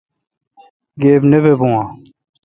گیب نہ بہ بو اؘ۔